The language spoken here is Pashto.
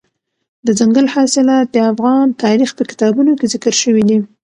دځنګل حاصلات د افغان تاریخ په کتابونو کې ذکر شوی دي.